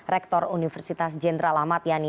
rektor universitas jenderal amatiani